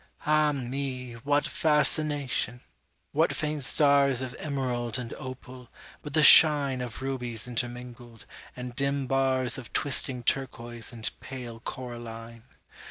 Ah me! what fascination! what faint starsOf emerald and opal, with the shineOf rubies intermingled, and dim barsOf twisting turquoise and pale coraline!